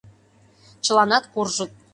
Чыланат куржыт.